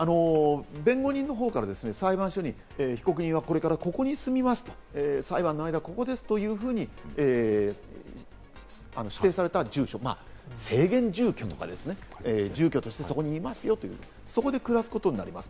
弁護人の方から裁判所に被告人はこれからここに住みますと、裁判の間、ここですと指定された住所、制限住居とか、住居としてそこにいますよという、そこで暮らすことになります。